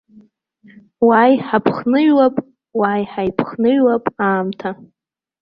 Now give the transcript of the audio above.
Уааи, ҳаԥхныҩлап, уааи, ҳаиԥхныҩлап, аамҭа!